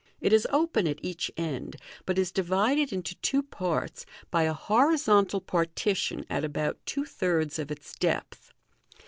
It is open at each end, but is divided into two parts by a horizontal partition at about two thirds of its depth.